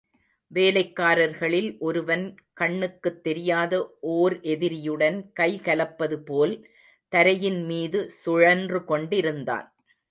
வேலைக்காரர்களில் ஒருவன் கண்ணுக்குத் தெரியாத ஓர் எதிரியுடன் கைகலப்பது போல் தரையின் மீது சுழன்று கொண்டிருந்தான்.